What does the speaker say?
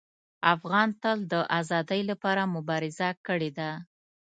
افغان تل د ازادۍ لپاره مبارزه کړې ده.